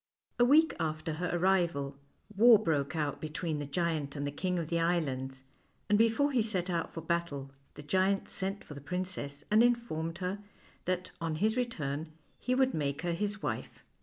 A week after her arrival, war broke out between the giant and the King of the Islands, and before he set out for battle, the giant sent for the princess, and informed her that on his return he would make her his wife.